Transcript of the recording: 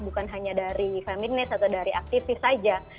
bukan hanya dari feminist atau dari aktivis saja